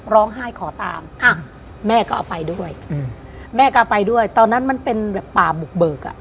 ร้องไห้ขอตามอ่ะแม่ก็เอาไปด้วยอืมแม่ก็ไปด้วยตอนนั้นมันเป็นแบบป่าบุกเบิกอ่ะ